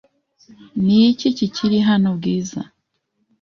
Ni iki kiri hano, Bwiza?